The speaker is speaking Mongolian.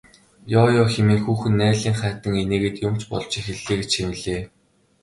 Ёо ёо хэмээн хүүхэн наалинхайтан инээгээд юм ч болж эхэллээ гэж шивнэлээ.